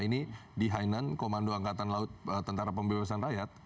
ini di hainan komando angkatan laut tentara pembebasan rakyat